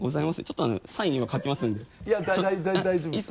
ちょっとサイン今書きますんでいや大丈夫です。